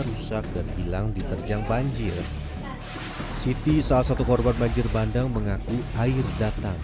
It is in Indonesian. rusak dan hilang diterjang banjir siti salah satu korban banjir bandang mengaku air datang